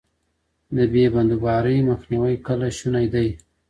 د بې بندوبارۍ مخنیوی کله شونی دی؟